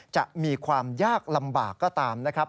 จะมีความยากลำบากก็ตามนะครับ